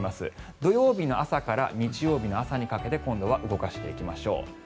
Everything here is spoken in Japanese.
土曜日の朝から日曜日の朝にかけて今度は動かしていきましょう。